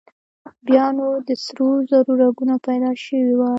بيا نو د سرو زرو رګونه پيدا شوي وای.